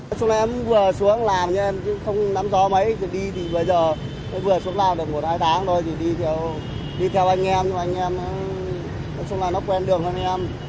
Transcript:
đi thì bây giờ vừa xuống làm được một hai tháng thôi thì đi theo anh em anh em xung quanh nó quen đường hơn anh em